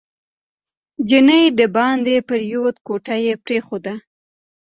چینی دباندې پرېوت کوټه یې پرېښوده.